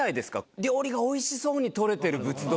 料理がおいしそうに撮れてる物撮り。